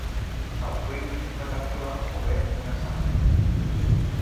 El fruit és una càpsula o bé una sàmara.